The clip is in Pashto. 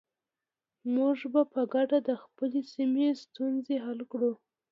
موږ به په ګډه د خپلې سیمې ستونزې حل کړو.